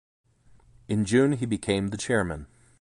In June, he became the chairman.